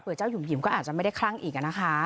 เจ้าหยุ่มหิมก็อาจจะไม่ได้คลั่งอีกนะคะ